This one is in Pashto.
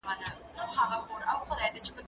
زه هره ورځ سبزیحات تياروم!؟